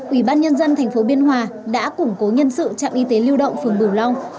ủy ban nhân dân thành phố biên hòa đã củng cố nhân sự trạm y tế lưu động phường bửu long